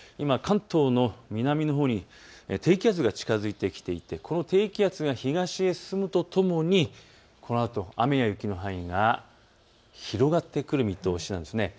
関東の南のほうに低気圧が近づいてきていてこの低気圧が東に進むとともにこのあと雨や雪の範囲が広がってくる見通しなんです。